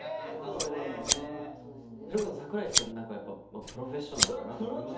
それこそ櫻井さんなんかプロフェッショナルだなと思いますし